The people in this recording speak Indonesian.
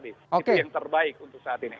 itu yang terbaik untuk saat ini